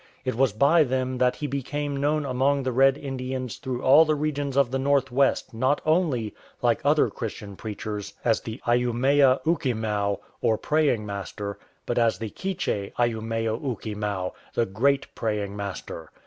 It was by them that he became known among the Red Indians through all the regions of the North West not only, like other Christian preachers, as the At/iimeaookemozv, or " praying master,"' but as the Keche Aymneaoohemow, the "great praying master."